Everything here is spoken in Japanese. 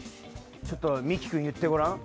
ちょっとみきくんいってごらん。